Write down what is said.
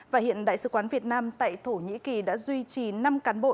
và hiện đại sứ quán việt nam tại thổ nhĩ kỳ đã duy trì năm cán bộ